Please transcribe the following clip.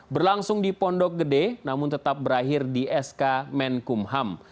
berlangsung di pondok gede namun tetap berakhir di sk menkumham